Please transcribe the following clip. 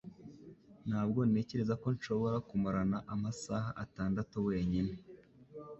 Ntabwo ntekereza ko nshobora kumarana amasaha atandatu wenyine